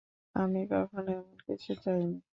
আমি কখনো এমন কিছু চাইনি।